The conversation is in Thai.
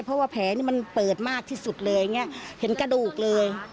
เพราะว่าแผลนี่มันเปิดมากที่สุดเลยอย่างนี้เห็นกระดูกเลย